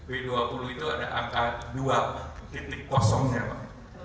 w dua puluh itu ada angka dua nya pak